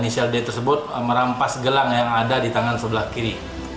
inisial d tersebut merampas gelang yang ada di tangan sebelah kiri